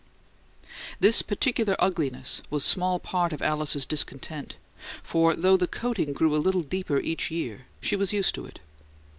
This particular ugliness was small part of Alice's discontent, for though the coating grew a little deeper each year she was used to it.